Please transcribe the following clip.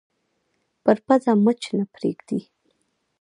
پر پزه مچ نه پرېږدي